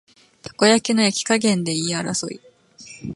たこ焼きの焼き加減で言い争い